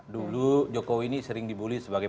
dulu jokowi ini sering dibully sebagai